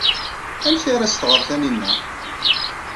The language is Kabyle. Amek ara as-tɣer Taninna?